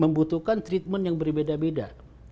membutuhkan treatment yang berbeda beda